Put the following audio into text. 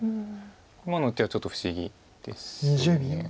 今の手はちょっと不思議です。